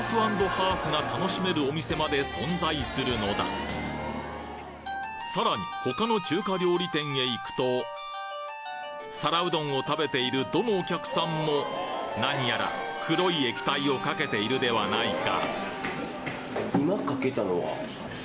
ゆえなんとさらに他の中華料理店へ行くと皿うどんを食べているどのお客さんも何やら黒い液体をかけているではないか